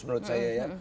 menurut saya ya